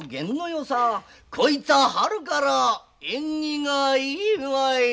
こいつは春から縁起がいいわえ！